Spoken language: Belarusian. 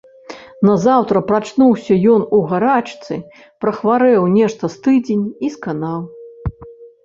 Назаўтра прачнуўся ён у гарачцы, прахварэў нешта з тыдзень і сканаў.